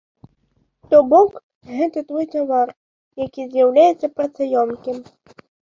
То бок, гэта той тавар, які з'яўляецца працаёмкім.